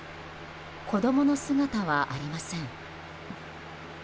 子供の姿はありません。